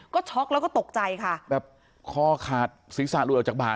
ก็ช็อกแล้วก็ตกใจค่ะแบบข้อขาดศิษย์ศาสตร์หลุดออกจากบ่าย